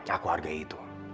aku hargai itu